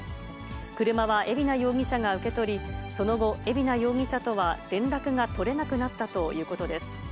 車は海老名容疑者が受け取り、その後、海老名容疑者とは連絡が取れなくなったということです。